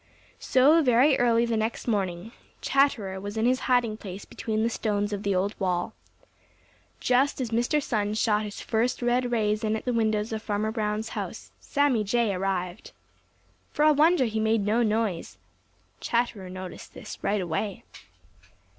So very early the next morning Chatterer was in his hiding place between the stones of the old wall. Just as Mr. Sun shot his first red rays in at the windows of Farmer Brown's house, Sammy Jay arrived. For a wonder he made no noise. Chatterer noticed this right away.